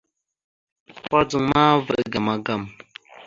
Kudzaŋ ma, vaɗ ga magam.